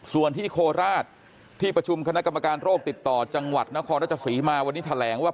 ส่วนที่โคราชที่ประชุมคณะกรรมการโรคติดต่อจังหวัดนครราชสีมาวันนี้แถลงว่า